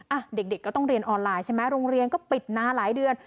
อ่ะเด็กก็ต้องเรียนออนไลน์ใช่ไหมโรงเรียนก็ปิดนานหลายเดือน